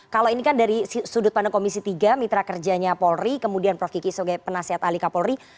kalau ini kan dari sudut pandang komisi tiga mitra kerjanya polri kemudian prof kiki sebagai penasihat ahli kapolri